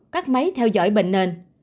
sáu các máy theo dõi bệnh nền